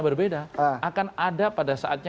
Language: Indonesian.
berbeda akan ada pada saatnya